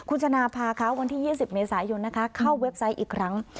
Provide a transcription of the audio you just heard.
คุณชนะพาเขาวันที่๒๐เมษายนนะคะเข้าเว็บไซต์อีกครั้ง